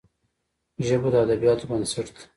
ژبه د ادبياتو بنسټ ده